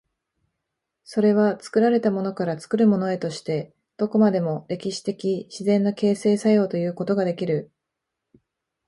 それは作られたものから作るものへとして、どこまでも歴史的自然の形成作用ということができる。